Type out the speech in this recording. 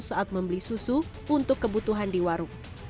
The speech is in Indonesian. saat membeli susu untuk kebutuhan di warung